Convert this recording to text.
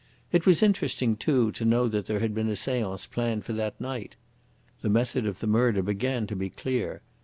It was interesting, too, to know that there had been a seance planned for that night! The method of the murder began to be clear.